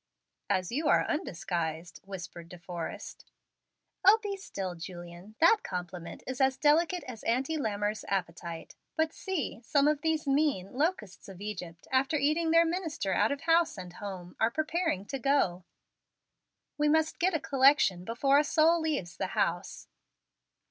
"As you are undisguised," whispered De Forrest "O, be still, Julian. That compliment is as delicate as Auntie Lammer's appetite. But see, some of these mean 'locusts of Egypt,' after eating their minister out of house and home, are preparing to go. We must get a collection before a soul leaves the house.